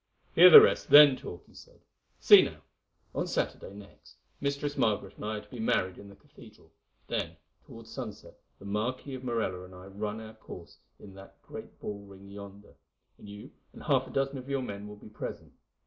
"Hear the rest, then talk," he said. "See now! On Saturday next Mistress Margaret and I are to be married in the cathedral; then, towards sunset, the Marquis of Morella and I run our course in the great bull ring yonder, and you and half a dozen of your men will be present.